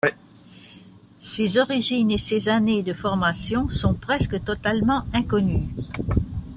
Ses origines et ses années de formation sont presque totalement inconnues.